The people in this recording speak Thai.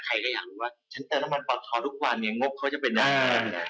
ใครก็อยากรู้ว่าฉันเติมอัมพันธุ์ปลอดท้อนทุกวันงบเขาจะเป็นอย่างไร